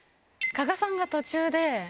加賀さんが途中で。